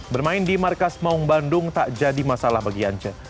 bermain di markas maung bandung tak jadi masalah bagi yance